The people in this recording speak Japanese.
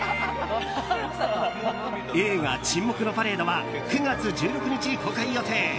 映画「沈黙のパレード」は９月１６日、公開予定。